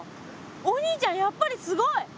お兄ちゃんやっぱりすごい。